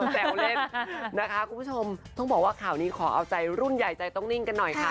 แซวเล่นนะคะคุณผู้ชมต้องบอกว่าข่าวนี้ขอเอาใจรุ่นใหญ่ใจต้องนิ่งกันหน่อยค่ะ